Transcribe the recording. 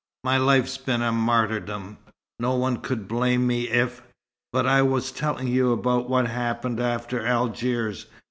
My life's been a martyrdom. No one could blame me if but I was telling you about what happened after Algiers.